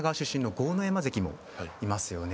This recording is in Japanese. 豪ノ山関もいますよね。